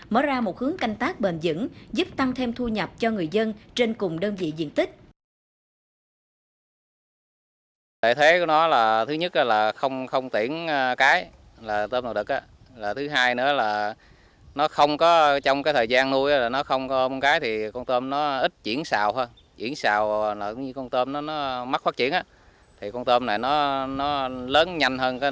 mở ra một hướng canh tác bền dẫn giúp tăng thêm thu nhập cho người dân trên cùng đơn vị diện tích